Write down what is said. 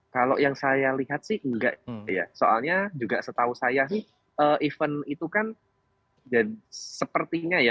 kalau yang saya lihat sih enggak ya soalnya juga setahu saya sih event itu kan sepertinya ya